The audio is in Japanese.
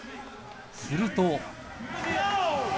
すると。